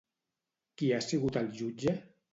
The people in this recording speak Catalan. Qui ha sigut el jutge?